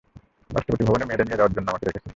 রাষ্ট্রপতি ভবনে মেয়েদের নিয়ে যাওয়ার জন্য আমাকে রেখেছে।